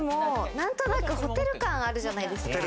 何となくホテル感あるじゃないですか。